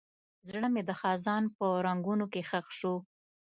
زړه مې د خزان په رنګونو کې ښخ شو.